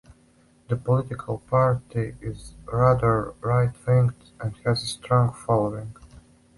The political party is rather right winged and has a strong following.